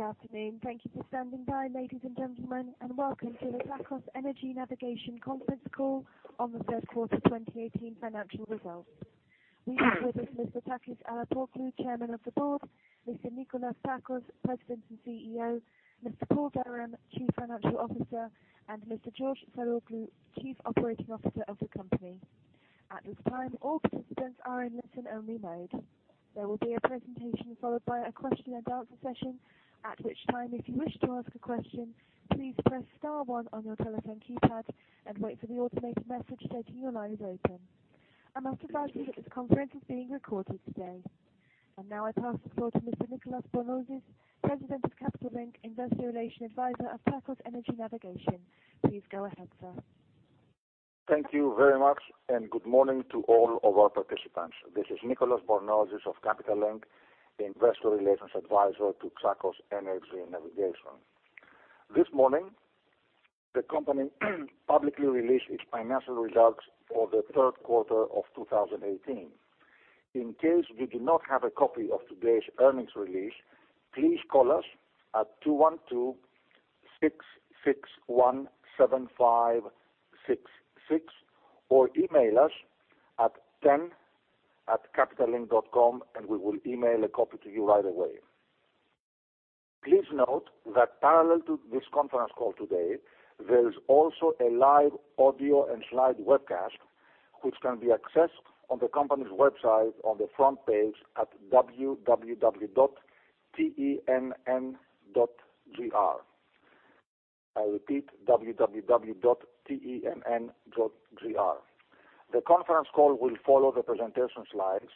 Good afternoon. Thank you for standing by, ladies and gentlemen, and welcome to the Tsakos Energy Navigation conference call on the third quarter 2018 financial results. We have with us Mr. Takis Arapoglou, Chairman of the Board, Mr. Nikolas Tsakos, President and CEO, Mr. Paul Durham, Chief Financial Officer, and Mr. George Saroglou, Chief Operating Officer of the company. At this time, all participants are in listen-only mode. There will be a presentation followed by a question and answer session. At which time, if you wish to ask a question, please press star one on your telephone keypad and wait for the automated message stating your line is open. I must advise you that this conference is being recorded today. Now I pass the call to Mr. Nicolas Bornozis, President of Capital Link, Investor Relations Advisor of Tsakos Energy Navigation. Please go ahead, sir. Thank you very much, and good morning to all of our participants. This is Nicolas Bornozis of Capital Link, the Investor Relations Advisor to Tsakos Energy Navigation. This morning, the company publicly released its financial results for the third quarter of 2018. In case you do not have a copy of today's earnings release, please call us at 212-661-7566 or email us at ten@capitalink.com. We will email a copy to you right away. Please note that parallel to this conference call today, there is also a live audio and slide webcast which can be accessed on the company's website on the front page at www.tenn.gr. I repeat, www.tenn.gr. The conference call will follow the presentation slides.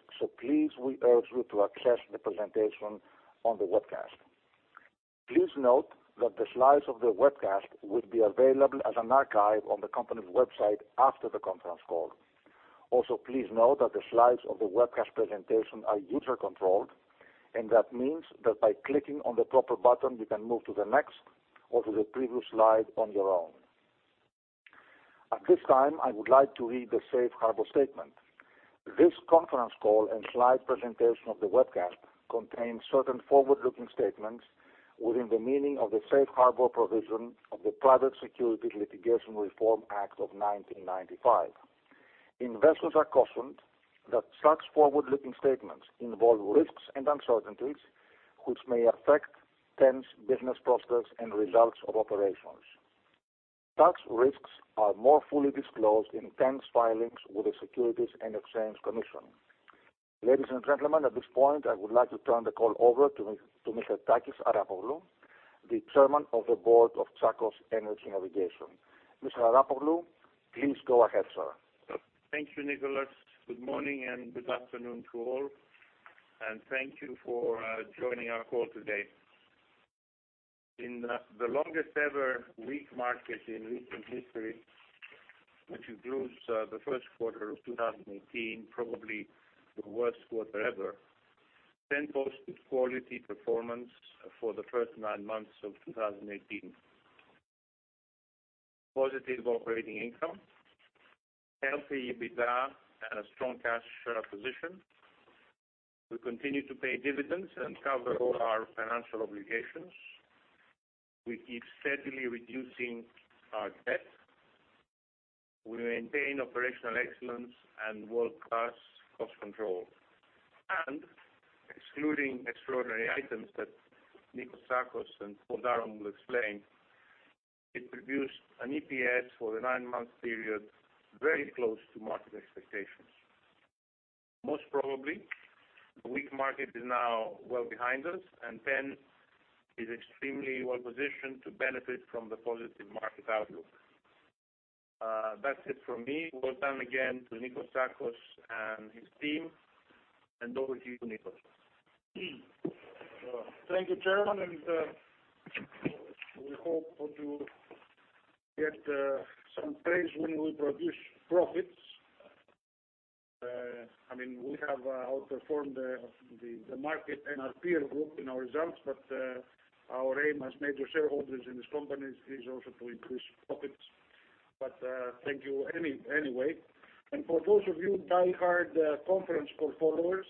Please, we urge you to access the presentation on the webcast. Please note that the slides of the webcast will be available as an archive on the company's website after the conference call. Also, please note that the slides of the webcast presentation are user-controlled, that means that by clicking on the proper button, you can move to the next or to the previous slide on your own. At this time, I would like to read the safe harbor statement. This conference call and slide presentation of the webcast contains certain forward-looking statements within the meaning of the safe harbor provision of the Private Securities Litigation Reform Act of 1995. Investors are cautioned that such forward-looking statements involve risks and uncertainties which may affect TEN's business prospects and results of operations. Such risks are more fully disclosed in TEN's filings with the Securities and Exchange Commission. Ladies and gentlemen, at this point, I would like to turn the call over to Mr. Takis Arapoglou, the Chairman of the Board of Tsakos Energy Navigation. Mr. Arapoglou, please go ahead, sir. Thank you, Nicolas. Good morning and good afternoon to all, and thank you for joining our call today. In the longest ever weak market in recent history, which includes the first quarter of 2018, probably the worst quarter ever, TEN posted quality performance for the first nine months of 2018. Positive operating income, healthy EBITDA, and a strong cash position. We continue to pay dividends and cover all our financial obligations. We keep steadily reducing our debt. We maintain operational excellence and world-class cost control. Excluding extraordinary items that Nikolas Tsakos and Paul Durham will explain, it produced an EPS for the nine-month period very close to market expectations. Most probably, the weak market is now well behind us, and TEN is extremely well positioned to benefit from the positive market outlook. That's it from me. Over time, again to Nikolas Tsakos and his team. Over to you, Nikolas. Thank you, Chairman. We hope to get some praise when we produce profits. We have outperformed the market and our peer group in our results, but our aim as major shareholders in this company is also to increase profits. Thank you anyway. For those of you diehard conference call followers,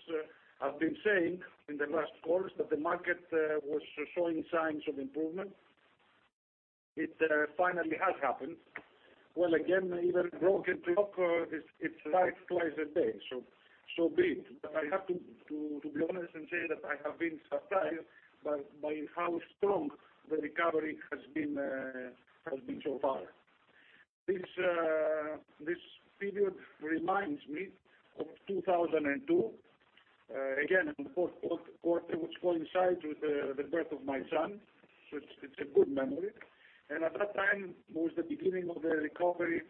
I've been saying in the last calls that the market was showing signs of improvement. It finally has happened. Well, again, even a broken clock is right twice a day, so be it. I have to be honest and say that I have been surprised by how strong the recovery has been so far. This period reminds me of 2002. Again, in the fourth quarter, which coincides with the birth of my son. So it's a good memory. At that time, it was the beginning of the recovery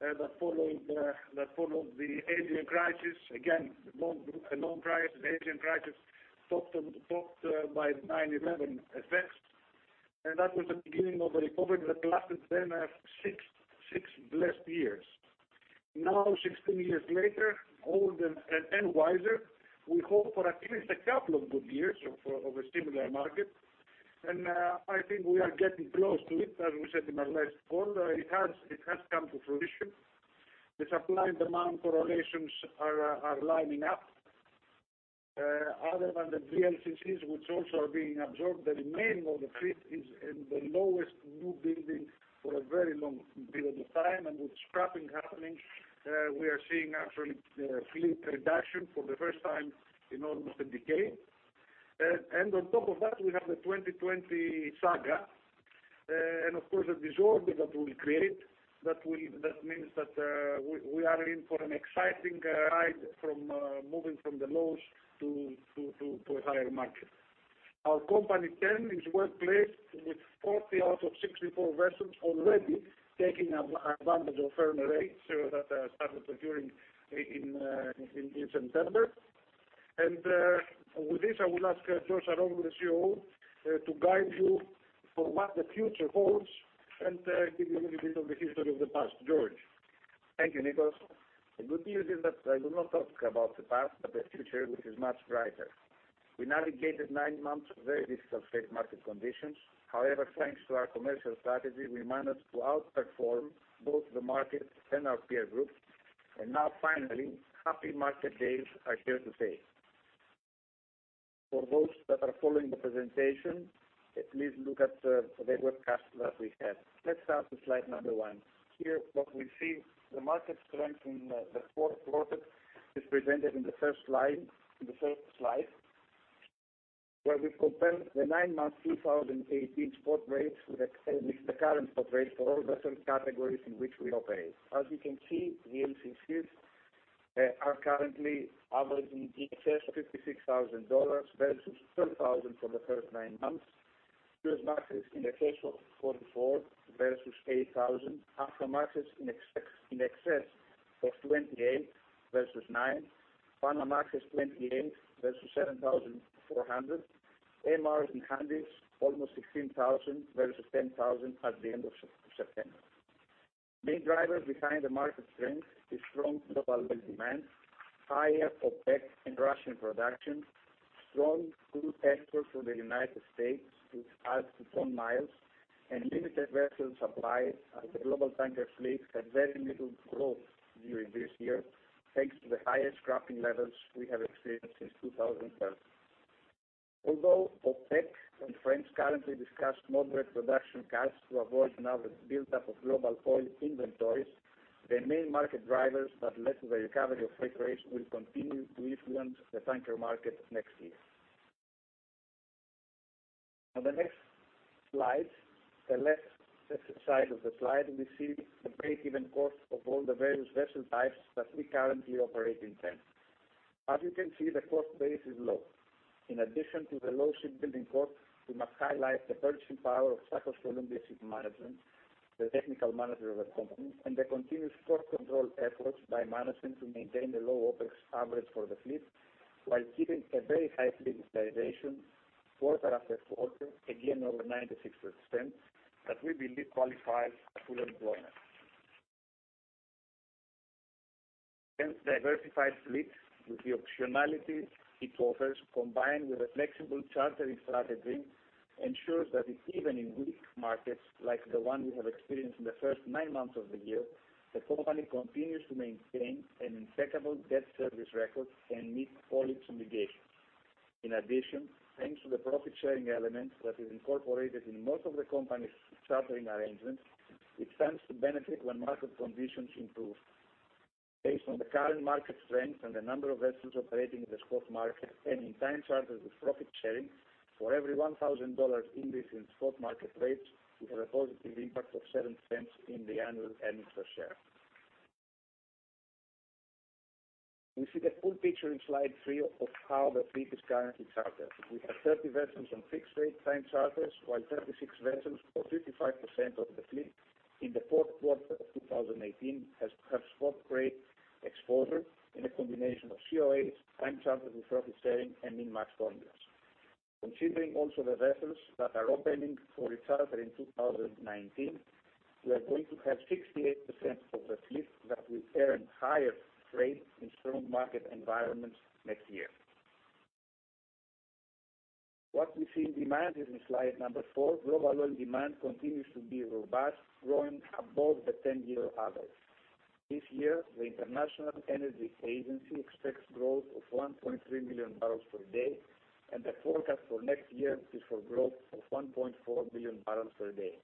that followed the Asian crisis. Again, a long crisis, Asian crisis, topped by 9/11 effects. That was the beginning of the recovery that lasted then six blessed years. Now, 16 years later, older and wiser, we hope for at least a couple of good years of a similar market. I think we are getting close to it, as we said in our last call. It has come to fruition. The supply and demand correlations are lining up. Other than the VLCCs, which also are being absorbed, the remaining of the fleet is in the lowest new building for a very long period of time. With scrapping happening, we are seeing actually fleet reduction for the first time in almost a decade. On top of that, we have the 2020 saga. Of course, the disorder that will create, that means that we are in for an exciting ride from moving from the lows to a higher market. Our company, TEN, is well-placed with 40 out of 64 vessels already taking advantage of firmer rates that started procuring in September. With this, I will ask George Saroglou, the COO, to guide you for what the future holds and give you a little bit of the history of the past. George? Thank you, Nikolas. The good news is that I will not talk about the past, but the future, which is much brighter. We navigated nine months of very difficult freight market conditions. However, thanks to our commercial strategy, we managed to outperform both the market and our peer groups. Now, finally, happy market days are here to stay. For those that are following the presentation, please look at the webcast that we have. Let's start with slide number one. Here what we see, the market strength in the fourth quarter is presented in the first slide, where we compare the nine-month 2018 spot rates with the current spot rates for all vessel categories in which we operate. As you can see, VLCCs are currently averaging in excess of $56,000 versus $12,000 for the first nine months. Suezmaxes in excess of $44,000 versus $8,000. Aframaxes in excess of $28,000 versus $9,000. Panamax is $28,000 versus $7,400. MR and Handys almost $16,000 versus $10,000 at the end of September. Main drivers behind the market strength is strong global oil demand, higher OPEC and Russian production, strong crude exports from the United States, which add to tonne-miles, and limited vessel supply as the global tanker fleet had very little growth during this year, thanks to the highest scrapping levels we have experienced since 2012. Although OPEC and friends currently discuss moderate production cuts to avoid another buildup of global oil inventories, the main market drivers that led to the recovery of freight rates will continue to influence the tanker market next year. On the next slide, the left-hand side of the slide, we see the break-even cost of all the various vessel types that we currently operate in TEN. As you can see, the cost base is low. In addition to the low shipbuilding cost, we must highlight the purchasing power of Tsakos Columbia Shipmanagement, the technical manager of the company, and the continuous cost control efforts by management to maintain the low OpEx average for the fleet while keeping a very high fleet utilization quarter after quarter, again over 96%, that we believe qualifies as full employment. TEN's diversified fleet with the optionality it offers, combined with a flexible chartering strategy, ensures that even in weak markets like the one we have experienced in the first nine months of the year, the company continues to maintain an impeccable debt service record and meet all its obligations. In addition, thanks to the profit-sharing element that is incorporated in most of the company's chartering arrangements, it stands to benefit when market conditions improve. Based on the current market strength and the number of vessels operating in the spot market and in time charters with profit sharing, for every $1,000 increase in spot market rates, we have a positive impact of $0.07 in the annual earnings per share. You see the full picture in slide three of how the fleet is currently chartered. We have 30 vessels on fixed-rate time charters, while 36 vessels or 55% of the fleet, in the fourth quarter of 2018 have spot rate exposure in a combination of COAs, time charters with profit sharing, and min-max formulas. Considering also the vessels that are opening for recharter in 2019, we are going to have 68% of the fleet that will earn higher freight in strong market environments next year. What we see in demand is in slide number four. Global oil demand continues to be robust, growing above the 10-year average. This year, the International Energy Agency expects growth of 1.3 billion barrels per day, and the forecast for next year is for growth of 1.4 billion barrels per day.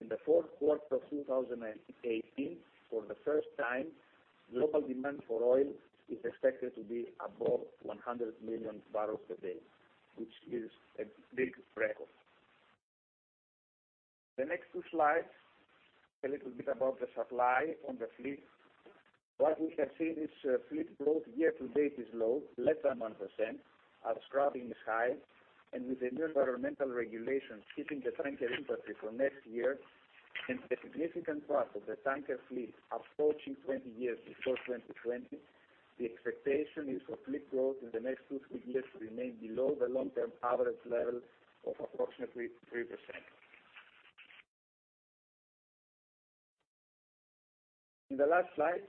In the fourth quarter of 2018, for the first time, global demand for oil is expected to be above 100 million barrels per day, which is a big record. The next two slides, a little bit about the supply on the fleet. What we have seen is fleet growth year to date is low, less than 1%, as scrapping is high, and with the new environmental regulations hitting the tanker industry for next year and a significant part of the tanker fleet approaching 20 years before 2020, the expectation is for fleet growth in the next two, three years to remain below the long-term average level of approximately 3%. In the last slide.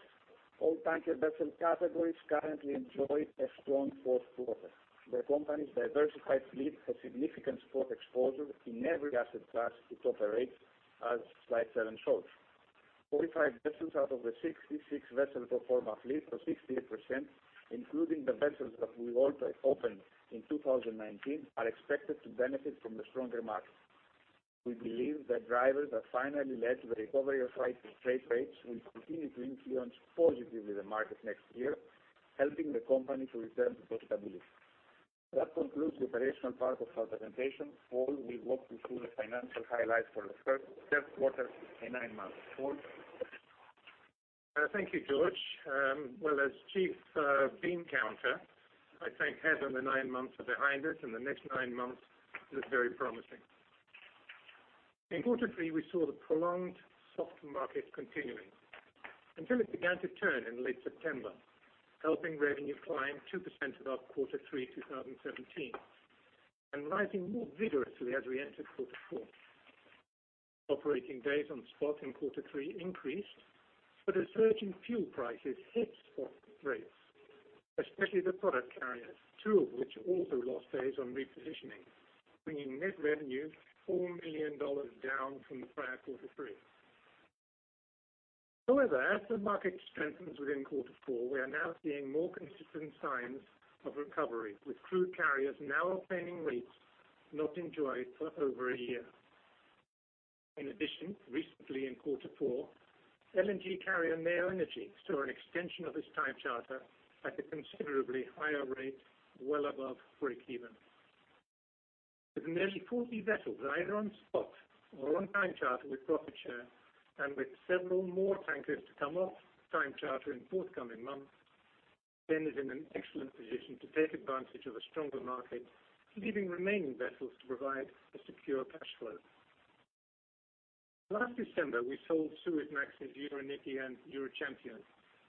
All tanker vessel categories currently enjoy a strong fourth quarter. The company's diversified fleet has significant spot exposure in every asset class it operates, as slide seven shows. 45 vessels out of the 66 vessel pro forma fleet, or 68%, including the vessels that we hope to open in 2019, are expected to benefit from the stronger market. We believe the drivers that finally led to the recovery of freight rates will continue to influence positively the market next year, helping the company to return to profitability. That concludes the operational part of our presentation. Paul will walk you through the financial highlights for the third quarter and nine months. Paul? Thank you, George. Well, as chief bean counter, I thank heaven the nine months are behind us and the next nine months look very promising. In quarter three, we saw the prolonged soft market continuing until it began to turn in late September, helping revenue climb 2% above quarter three 2017, and rising more vigorously as we entered quarter four. Operating days on spot in quarter three increased, but a surge in fuel prices hit spot rates, especially the product carriers, two of which also lost days on repositioning, bringing net revenue $4 million down from the prior quarter three. However, as the market strengthens within quarter four, we are now seeing more consistent signs of recovery, with crude carriers now obtaining rates not enjoyed for over a year. In addition, recently in quarter four, LNG carrier Maria Energy saw an extension of its time charter at a considerably higher rate, well above breakeven. With nearly 40 vessels either on spot or on time charter with profit share, and with several more tankers to come off time charter in forthcoming months, TEN is in an excellent position to take advantage of a stronger market, leaving remaining vessels to provide a secure cash flow. Last December, we sold Suezmaxes Euronike and Eurochampion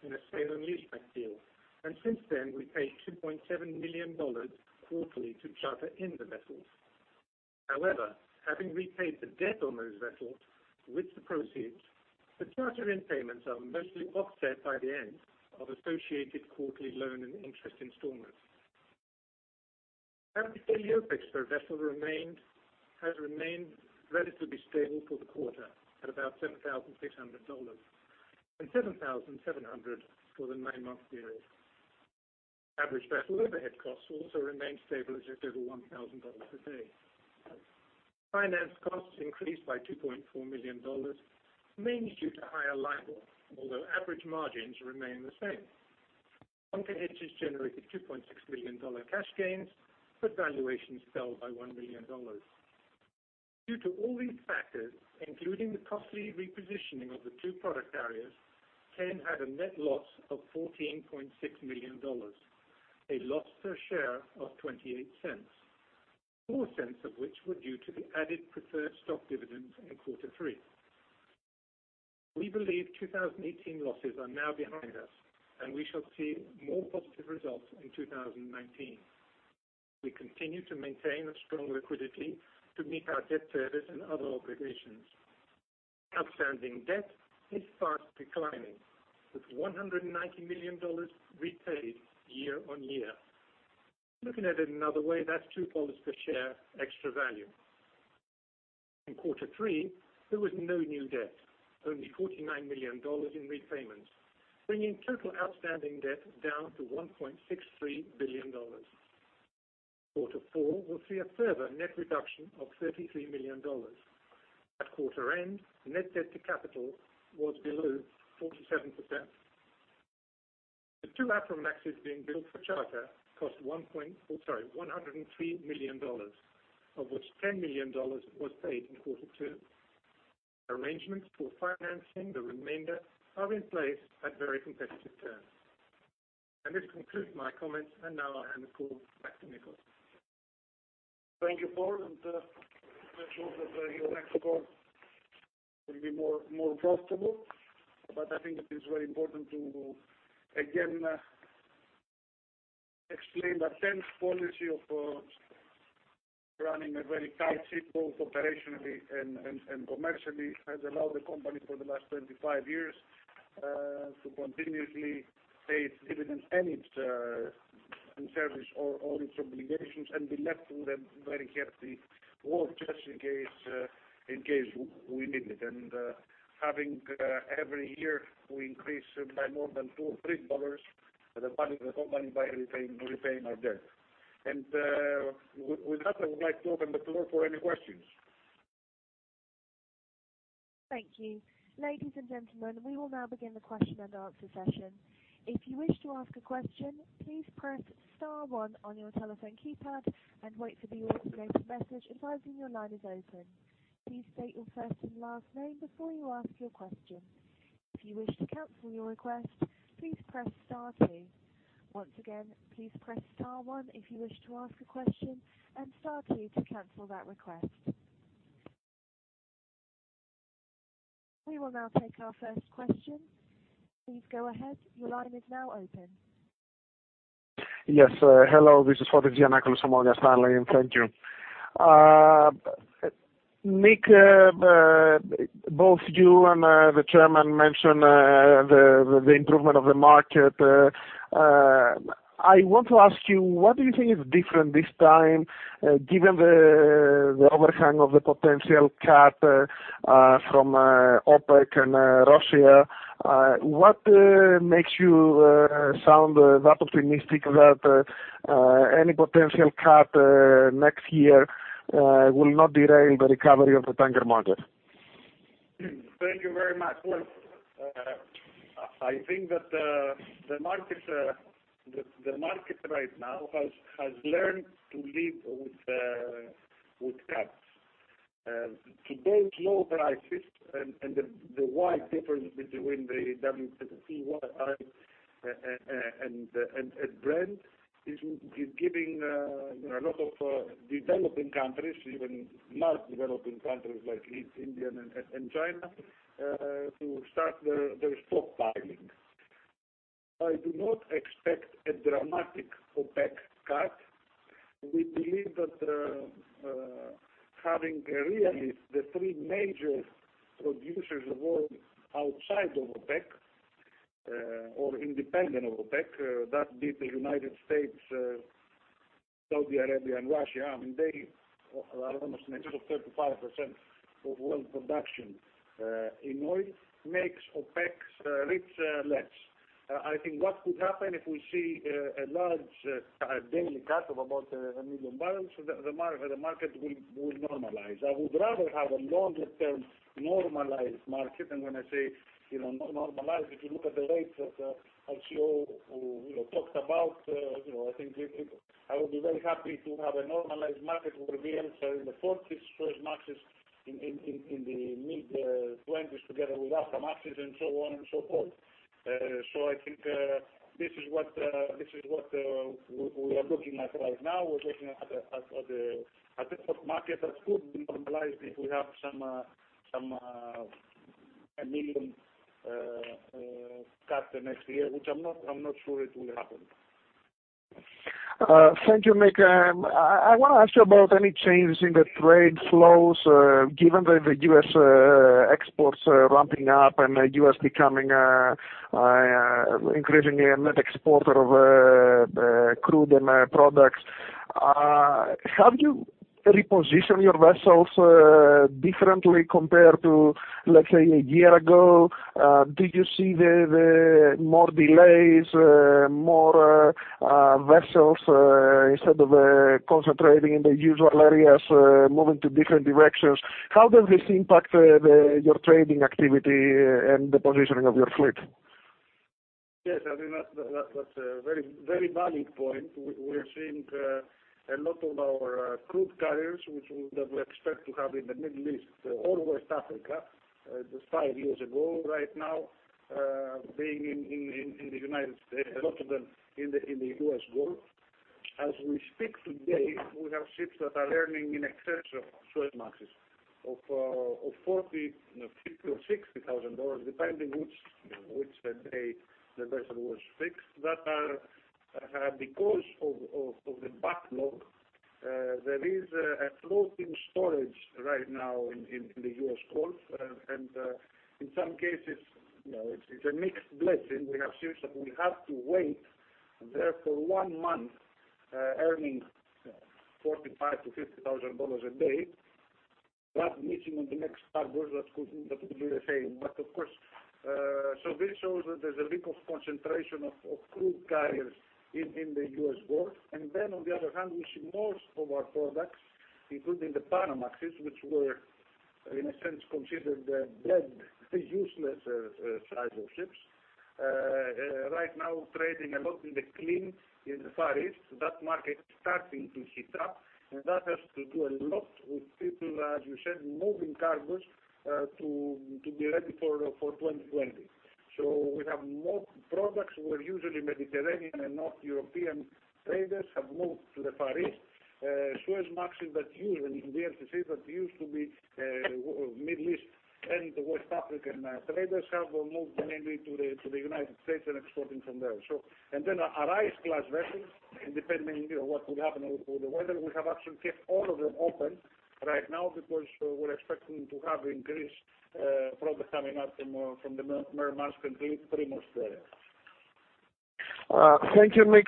in a sale and leaseback deal, and since then, we paid $2.7 million quarterly to charter in the vessels. However, having repaid the debt on those vessels with the proceeds, the charter in payments are mostly offset by the end of associated quarterly loan and interest installments. Average OpEx per vessel has remained relatively stable for the quarter, at about $7,600 and $7,700 for the nine-month period. Average vessel overhead costs also remained stable at just over $1,000 per day. Finance costs increased by $2.4 million, mainly due to higher liabilities, although average margins remain the same. Tanker hedges generated $2.6 million cash gains, but valuations fell by $1 million. Due to all these factors, including the costly repositioning of the two product carriers, TEN had a net loss of $14.6 million, a loss per share of $0.28, $0.04 of which were due to the added preferred stock dividends in quarter three. We believe 2018 losses are now behind us, and we shall see more positive results in 2019. We continue to maintain a strong liquidity to meet our debt service and other obligations. Outstanding debt is fast declining, with $190 million repaid year-over-year. Looking at it another way, that's $2 per share extra value. In quarter three, there was no new debt, only $49 million in repayments, bringing total outstanding debt down to $1.63 billion. Quarter four will see a further net reduction of $33 million. At quarter end, the net debt to capital was below 47%. The two Aframaxes being built for charter cost $103 million, of which $10 million was paid in quarter two. Arrangements for financing the remainder are in place at very competitive terms. This concludes my comments. Now I'll hand the call back to Nikolas. Thank you, Paul. Let's hope that the next call will be more profitable. I think it is very important to, again, explain that TEN's policy of running a very tight ship, both operationally and commercially, has allowed the company for the last 25 years to continuously pay its dividends and its in service all its obligations and be left with a very healthy war chest in case we need it. Having every year, we increase by more than $2 or $3 the company by repaying our debt. With that, I would like to open the floor for any questions. Thank you. Ladies and gentlemen, we will now begin the question and answer session. If you wish to ask a question, please press star one on your telephone keypad and wait for the automated message advising your line is open. Please state your first and last name before you ask your question. If you wish to cancel your request, please press star two. Once again, please press star one if you wish to ask a question and star two to cancel that request. We will now take our first question. Please go ahead. Your line is now open. Yes. Hello, this is Fotis Giannakoulis from Morgan Stanley. Thank you. Nik, both you and the chairman mentioned the improvement of the market. I want to ask you, what do you think is different this time, given the overhang of the potential cut from OPEC and Russia? What makes you sound that optimistic that any potential cut next year will not derail the recovery of the tanker market? Thank you very much. Well, I think that the market right now has learned to live with cuts. Today's low prices and the wide difference between the WTI and Brent is giving a lot of developing countries, even large developing countries like India and China, to start their stockpiling. I do not expect a dramatic OPEC cut. We believe that having a realist, the three major producers of oil outside of OPEC or independent of OPEC, that be the United States, Saudi Arabia and Russia, they are almost in the region of 35% of world production in oil makes OPEC's reach less. I think what could happen if we see a large daily cut of about a million barrels, the market will normalize. I would rather have a longer-term normalized market. When I say normalized, if you look at the rates that our COO talked about, I think I would be very happy to have a normalized market with VLCCs in the $40,000s, Suezmaxes in the mid-$20,000s, together with Aframaxes and so on and so forth. I think this is what we are looking at right now. We're looking at a difficult market that could be normalized if we have a million cut the next year, which I'm not sure it will happen. Thank you, Nik. I want to ask you about any changes in the trade flows, given the U.S. exports ramping up and U.S. becoming increasingly a net exporter of crude and products. Have you repositioned your vessels differently compared to, let's say, a year ago? Did you see more delays, more vessels instead of concentrating in the usual areas, moving to different directions? How does this impact your trading activity and the positioning of your fleet? Yes, I think that's a very valid point. We're seeing a lot of our crude carriers, which we would have expected to have in the Middle East or West Africa just five years ago, right now being in the United States, a lot of them in the U.S. Gulf. As we speak today, we have ships that are earning in excess of Suezmaxes of $40,000, $50,000 or $60,000, depending which day the vessel was fixed. That are because of the backlog; there is a floating storage right now in the U.S. Gulf. In some cases, it's a mixed blessing. We have ships that we have to wait there for one month, earning $45,000 to $50,000 a day, but missing on the next cargoes that would be the same. Of course, this shows that there's a bit of concentration of crude carriers in the U.S. Gulf. On the other hand, we see most of our products, including the panamax, which were in a sense considered the dead, the useless size of ships, right now trading a lot in the clean in the Far East. That market is starting to heat up, and that has to do a lot with people, as you said, moving cargoes to be ready for 2020. We have more products where usually Mediterranean and North European traders have moved to the Far East. Suezmaxes and VLCCs that used to be Middle East and West African traders have now moved mainly to the United States and exporting from there. Our ice class vessels, depending what will happen with the weather, we have actually kept all of them open right now because we're expecting to have increased product coming up from the Middle East and pretty much the area. Thank you, Nik.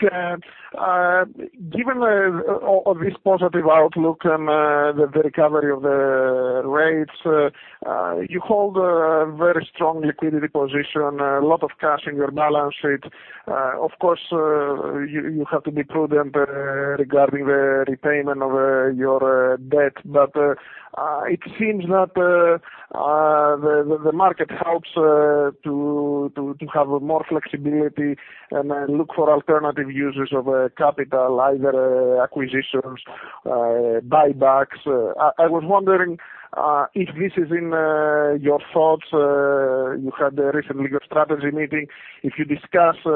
Given all this positive outlook and the recovery of the rates, you hold a very strong liquidity position, a lot of cash in your balance sheet. Of course, you have to be prudent regarding the repayment of your debt, but it seems that the market helps to have more flexibility and look for alternative uses of capital, either acquisitions, buybacks. I was wondering if this is in your thoughts. You had recently your strategy meeting, if you discussed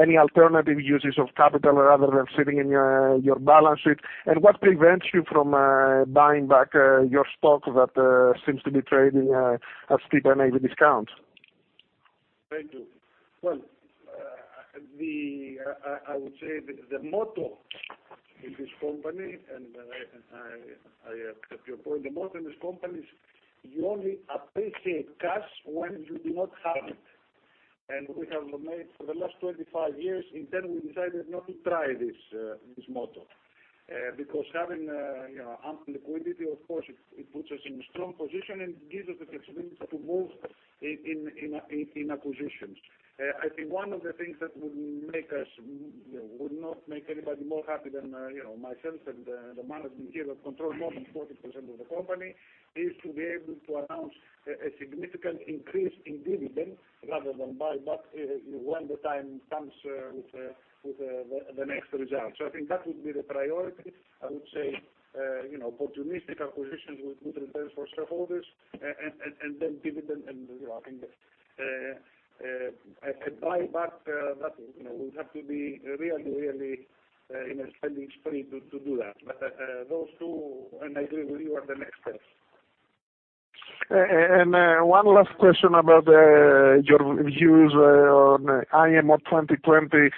any alternative uses of capital rather than sitting in your balance sheet. What prevents you from buying back your stock that seems to be trading at steep NAV discount? Thank you. I would say the motto in this company, I accept your point, the motto in this company is you only appreciate cash when you do not have it. We have made for the last 25 years, internally decided not to try this motto because having ample liquidity, of course, it puts us in a strong position and gives us the flexibility to move in acquisitions. I think one of the things that would not make anybody more happy than myself and the management here that control more than 40% of the company is to be able to announce a significant increase in dividend rather than buyback when the time comes with the next results. I think that would be the priority. I would say, opportunistic acquisitions with good returns for shareholders and then dividend. I think a buyback, that we would have to be really in a spending spree to do that. Those two, and I agree with you, are the next steps. One last question about your views on IMO 2020.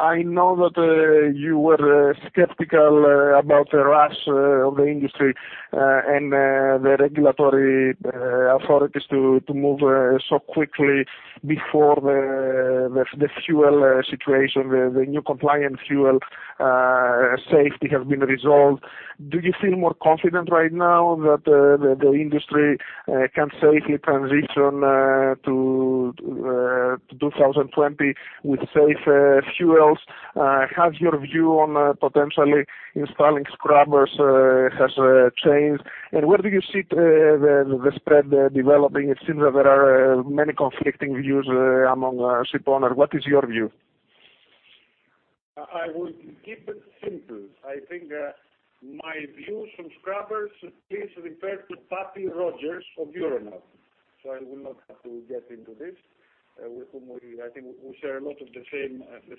I know that you were skeptical about the rush of the industry and the regulatory authorities to move so quickly before the fuel situation, the new compliant fuel safety has been resolved. Do you feel more confident right now that the industry can safely transition to 2020 with safe fuels? Has your view on potentially installing scrubbers has changed? Where do you see the spread developing? It seems that there are many conflicting views among ship owners. What is your view? I will keep it simple. I think my views on scrubbers, please refer to Paddy Rodgers of Euronav, I will not have to get into this, with whom I think we share a lot of the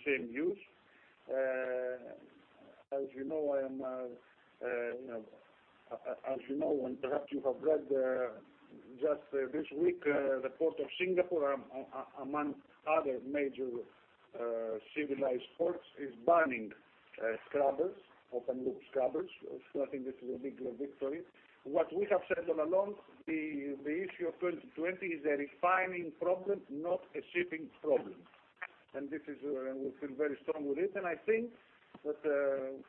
same views. As you know, perhaps you have read just this week, the Port of Singapore, among other major civilized ports, is banning scrubbers, open-loop scrubbers. I think this is a big victory. What we have said all along, the issue of 2020 is a refining problem, not a shipping problem. We feel very strong with it. I think that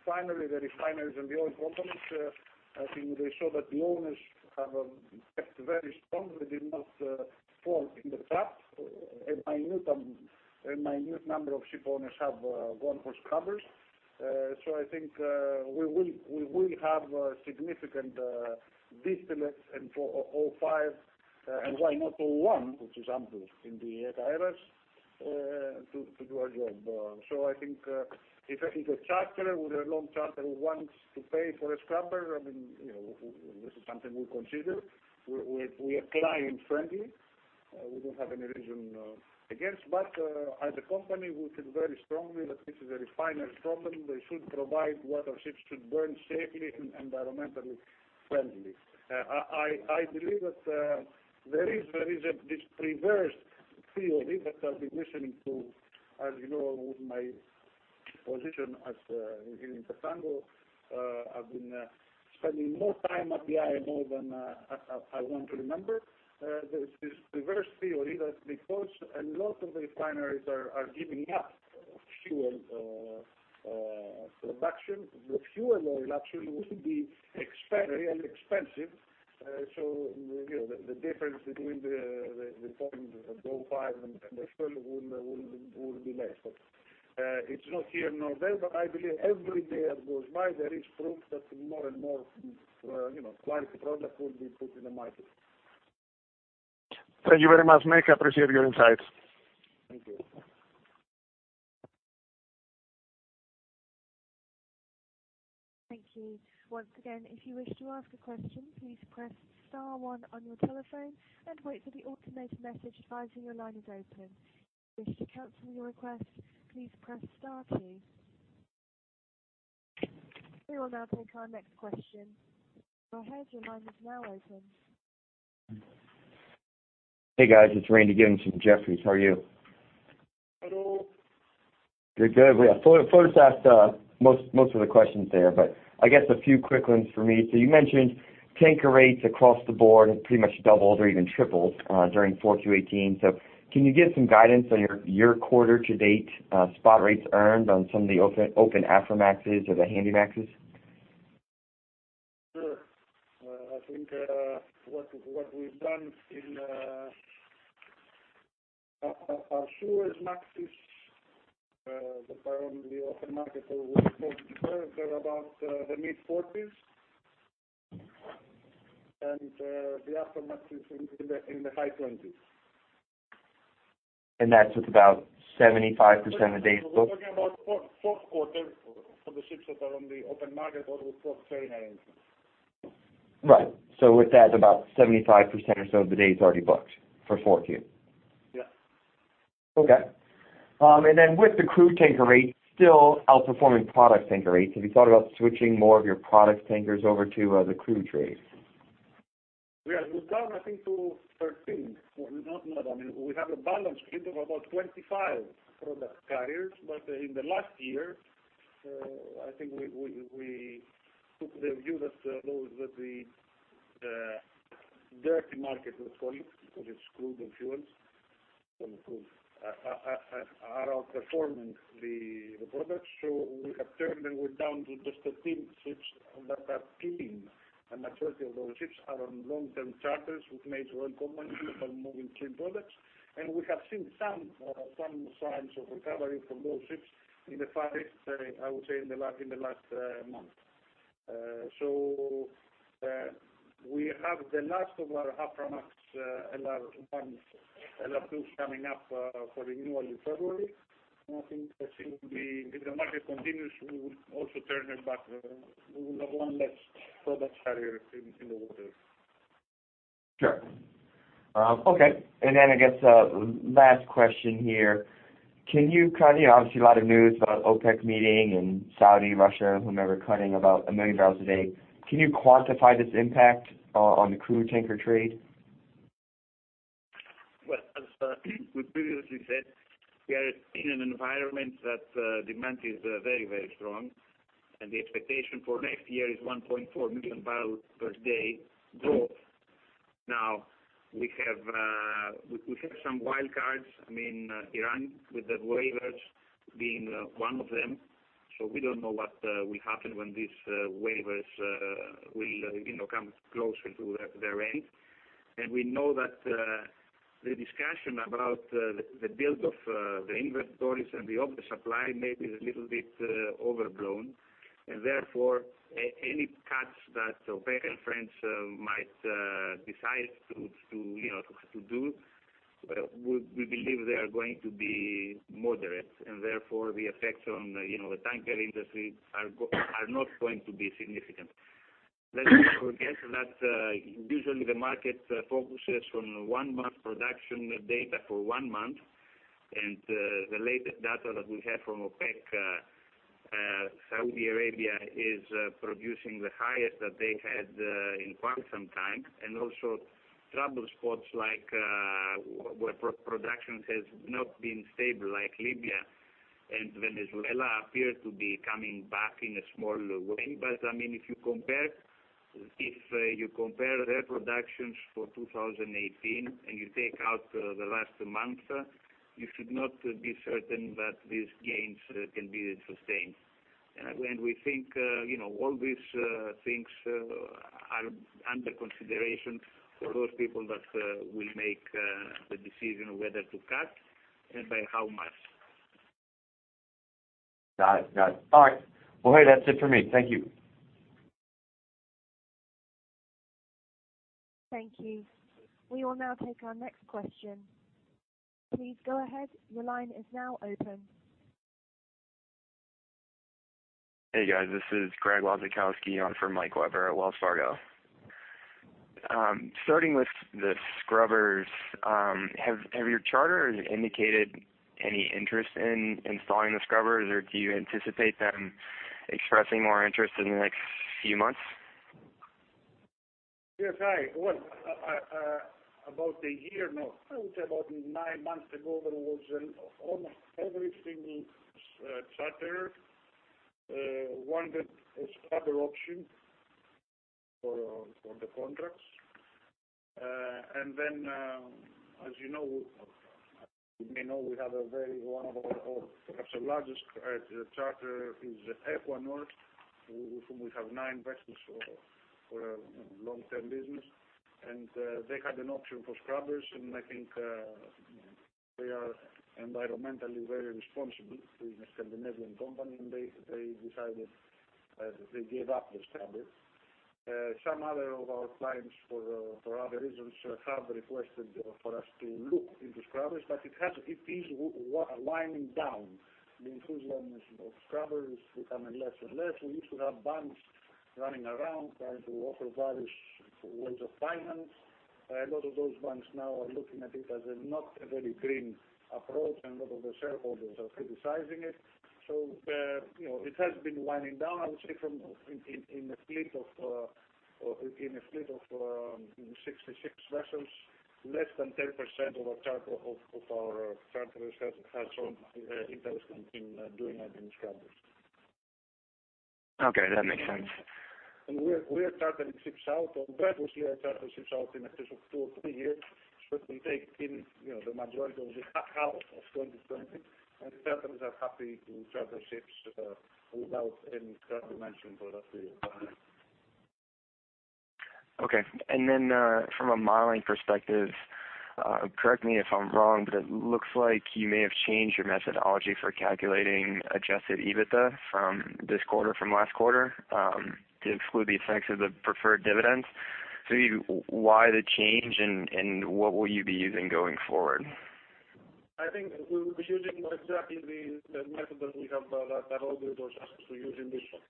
finally the refineries and the oil companies, I think they saw that the owners have kept very strong. They did not fall in the trap. A minute number of ship owners have gone for scrubbers. I think we will have significant distillates and for 0.5%, and why not 0.1%, which is ample in the to do our job. I think if a charterer with a long charter wants to pay for a scrubber, this is something we'll consider. We are client-friendly. We don't have any reason against, but as a company, we feel very strongly that this is a refiners’ problem. They should provide what our ships should burn safely and environmentally friendly. I believe that there is this perverse theory that I've been listening to. As you know, with my position here in Tsakos, I've been spending more time at the IMO than I want to remember. There's this perverse theory that because a lot of refineries are giving up fuel production, the fuel oil actually will be really expensive. The difference between the point of the 0.5% and the fuel will be less. It's not here nor there, but I believe every day that goes by, there is proof that more and more quality product will be put in the market. Thank you very much, Nik. I appreciate your insights. Thank you. Thank you. Once again, if you wish to ask a question, please press star one on your telephone and wait for the automated message advising your line is open. If you wish to cancel your request, please press star two. We will now take our next question. Go ahead, your line is now open. Hey, guys. It's Randy Giveans from Jefferies. How are you? Hello. Good, good. Fotis asked most of the questions there. I guess a few quick ones for me. You mentioned tanker rates across the board have pretty much doubled or even tripled during 4Q 2018. Can you give some guidance on your quarter-to-date spot rates earned on some of the open Aframaxes or the Handymaxes? Sure. I think what we've done in our Suezmaxes that are on the open market or with forward charters, they're about the mid-40s. The Aframax is in the high 20s. That's with about 75% of days booked? We're talking about fourth quarter for the ships that are on the open market or with forward trading agents. Right. With that, about 75% or so of the day is already booked for 4Q? Yeah. Okay. With the crude tanker rates still outperforming product tanker rates, have you thought about switching more of your product tankers over to the crude trade? We are down, I think, to 13. We have a balance sheet of about 25 product carriers. In the last year, I think we took the view that those with the dirty market, let's call it, because it's crude and fuels, are outperforming the products. We have turned them way down to just 13 ships that are clean. A majority of those ships are on long-term charters with major oil companies moving clean products. We have seen some signs of recovery from those ships in the Far East, I would say, in the last month. We have the last of our Aframax LR1, LR2s coming up for renewal in February. I think that if the market continues, we will also turn them back. We will have one less product carrier in the water. Sure. Okay. I guess last question here, obviously, a lot of news about OPEC meeting and Saudi, Russia, whomever, cutting about a million barrels a day. Can you quantify this impact on the crude tanker trade? Well, as we previously said, we are in an environment that demand is very strong and the expectation for next year is 1.4 million barrels per day drop. We have some wild cards. Iran, with the waivers being one of them. We don't know what will happen when these waivers will come closer to their end. We know that the discussion about the build of the inventories and the oversupply may be a little bit overblown, and therefore, any cuts that OPEC and friends might decide to do. We believe they are going to be moderate and therefore, the effects on the tanker industry are not going to be significant. Let's not forget that usually the market focuses on one month production data for one month, the latest data that we have from OPEC, Saudi Arabia is producing the highest that they had in quite some time. Also, trouble spots where production has not been stable, like Libya and Venezuela, appear to be coming back in a small way. If you compare their productions for 2018 and you take out the last month, you should not be certain that these gains can be sustained. We think all these things are under consideration for those people that will make the decision whether to cut and by how much. Got it. All right, well, hey, that's it for me. Thank you. Thank you. We will now take our next question. Please go ahead. Your line is now open. Hey, guys, this is Greg Wasikowski on for Mike Webber at Wells Fargo. Starting with the scrubbers, have your charters indicated any interest in installing the scrubbers, or do you anticipate them expressing more interest in the next few months? Yes. About nine months ago, there was almost every single charterer wanted a scrubber option for the contracts. Then, as you may know, perhaps the largest charterer is Equinor, with whom we have nine vessels for a long-term business. They had an option for scrubbers. I think they are environmentally very responsible. It's a Scandinavian company, and they gave up the scrubber. Some other of our clients for other reasons have requested for us to look into scrubbers; it is winding down. The enthusiasm of scrubbers is becoming less and less. We used to have banks running around trying to offer various ways of finance. A lot of those banks now are looking at it as not a very green approach, and a lot of the shareholders are criticizing it. It has been winding down. I would say in a fleet of 66 vessels, less than 10% of our charterers have shown interest in doing the scrubbers. Okay. That makes sense. We are chartering ships out. Previously, I chartered ships out in excess of two or three years, but we take in the majority of the half of 2020, and charterers are happy to charter ships without any scrubber mentioned for that period of time. From a modeling perspective, correct me if I'm wrong, but it looks like you may have changed your methodology for calculating adjusted EBITDA from this quarter from last quarter to exclude the effects of the preferred dividends. Why the change, and what will you be using going forward? I think we will be using exactly the method that does actually use in this case.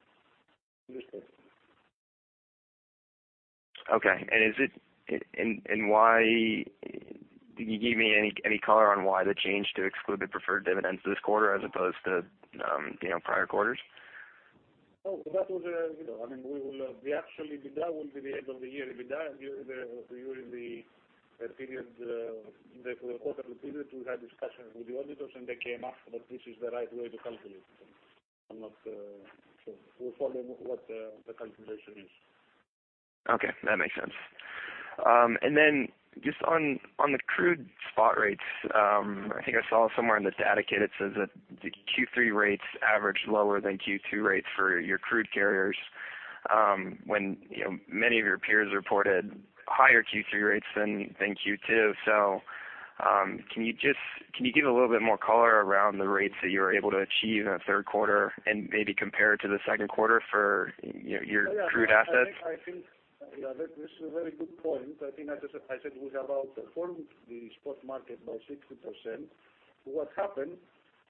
Can you give me any color on why the change to exclude the preferred dividends this quarter, as opposed to prior quarters? No, the actual EBITDA will be the end of the year EBITDA during the quarter period. We had discussions with the auditors, they came up that this is the right way to calculate them. We're following what the calculation is. Okay, that makes sense. Then, just on the crude spot rates, I think I saw somewhere in the data kit it says that the Q3 rates averaged lower than Q2 rates for your crude carriers, when many of your peers reported higher Q3 rates than Q2. Can you give a little bit more color around the rates that you were able to achieve in the third quarter, and maybe compare to the second quarter for your crude assets? I think that this is a very good point. I think, as I said, we have outperformed the spot market by 60%. What happened,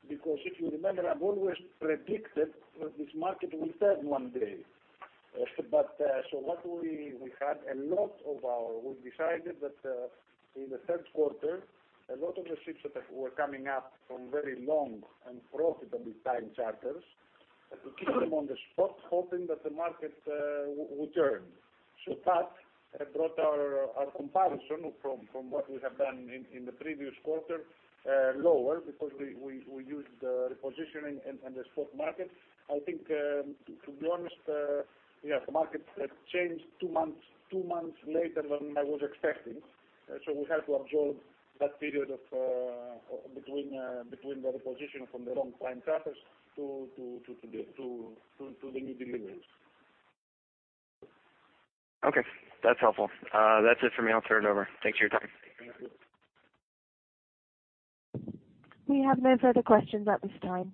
because if you remember, I've always predicted that this market will turn one day. We decided that in the third quarter, a lot of the ships that were coming up from very long and profitable time charters, to keep them on the spot, hoping that the market would turn. That brought our comparison from what we have done in the previous quarter lower because we used the repositioning and the spot market. I think, to be honest, the market changed two months later than I was expecting. We had to absorb that period between the reposition from the long time charters to the new deliveries. Okay. That's helpful. That's it for me. I'll turn it over. Thanks for your time. Thank you. We have no further questions at this time.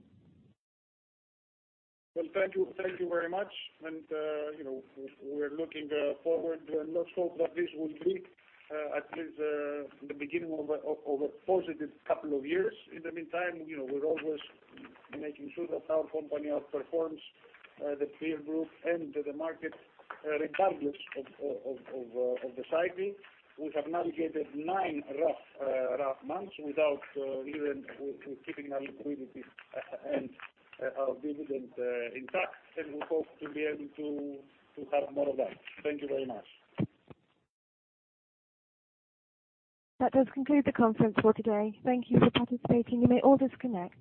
Well, thank you very much. We're looking forward, and let's hope that this will be at least the beginning of a positive couple of years. In the meantime, we're always making sure that our company outperforms the peer group and the market regardless of the cycling. We have navigated nine rough months while keeping our liquidity and our dividend intact, and we hope to be able to have more of that. Thank you very much. That does conclude the conference for today. Thank you for participating. You may all disconnect.